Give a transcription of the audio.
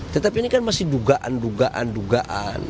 tetapi ini kan masih dugaan dugaan